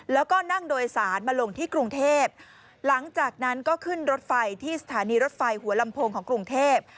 แล้วก็นั่งโดยสารมาลงที่กรุงเทพหลังจากนั้นก็ขึ้นรถไฟที่สถานีรถไฟหัวลำโพงของกรุงเทพ